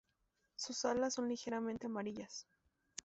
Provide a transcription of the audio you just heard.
Sus alas son ligeramente amarillas.